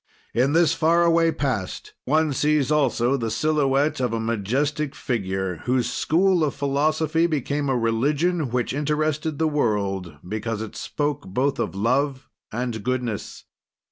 In this far away past, one sees also the silhouette of a majestic figure, whose school of philosophy became a religion, which interested the world because it spoke both of love and goodness.